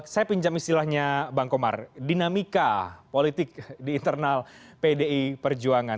saya pinjam istilahnya bang komar dinamika politik di internal pdi perjuangan